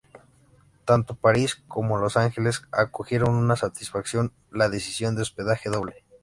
Tanto París como Los Ángeles acogieron con satisfacción la decisión de hospedaje doble.